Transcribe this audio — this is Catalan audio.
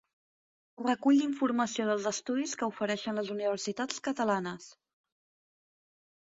Recull d'informació dels estudis que ofereixen les universitats catalanes.